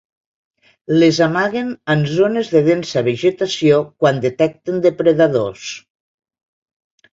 Les amaguen en zones de densa vegetació quan detecten depredadors.